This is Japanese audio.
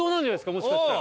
もしかしたら。